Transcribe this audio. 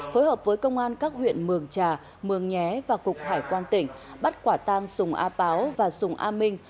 phối hợp với công an các huyện mường trà mường nhé và cục hải quan tỉnh bắt quả tang sùng a páo và sùng a minh